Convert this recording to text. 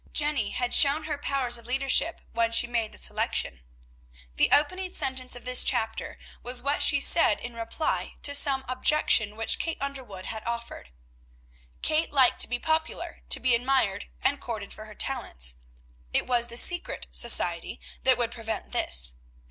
Jenny had shown her powers of leadership when she made the selection. The opening sentence of this chapter was what she said in reply to some objection which Kate Underwood had offered. Kate liked to be popular, to be admired and courted for her talents: it was the secret society that would prevent this.